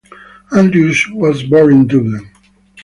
Andrews was born in Dublin.